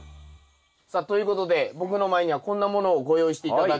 さあということで僕の前にはこんなものをご用意して頂きました。